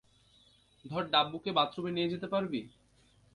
ধর ডাব্বুকে বাথরুম নিয়ে যেতে পারবি?